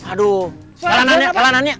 aduh kalahannya kalahannya